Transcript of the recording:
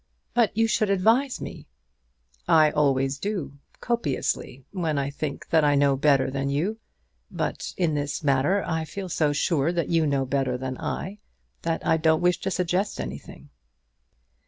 "But you should advise me." "I always do, copiously, when I think that I know better than you; but in this matter I feel so sure that you know better than I, that I don't wish to suggest anything."